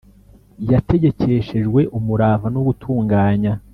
Yategekeshejwe umurava no gutunganya